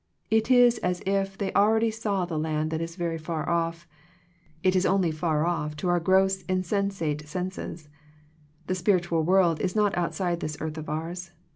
It is as if they already saw the land that is very far off. It is only far off to our gross insen sate senses. The spiritual world is not outside this earth of ours.